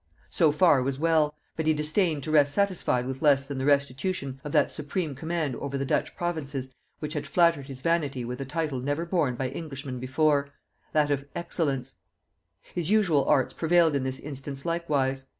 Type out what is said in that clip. So far was well; but he disdained to rest satisfied with less than the restitution of that supreme command over the Dutch provinces which had flattered his vanity with a title never borne by Englishman before; that of Excellence. His usual arts prevailed in this instance likewise.